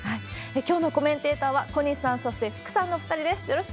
きょうのコメンテーターは、小西さん、そして福さんのお２人です。